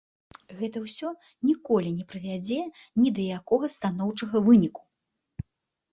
Гэта ўсё ніколі не прывядзе ні да якога станоўчага выніку.